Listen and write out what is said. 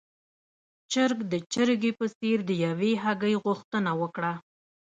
چرګ د چرګې په څېر د يوې هګۍ غوښتنه وکړه.